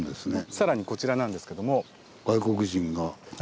更にこちらなんですけども。